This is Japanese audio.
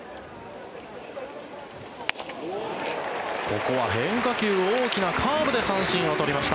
ここは変化球、大きなカーブで三振を取りました。